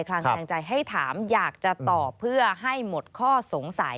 คลังแคลงใจให้ถามอยากจะตอบเพื่อให้หมดข้อสงสัย